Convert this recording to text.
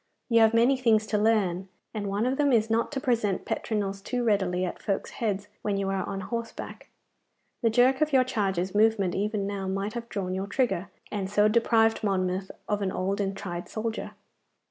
You have many things to learn, and one of them is not to present petronels too readily at folk's heads when you are on horseback. The jerk of your charger's movement even now might have drawn your trigger, and so deprived Monmouth of an old and tried soldier.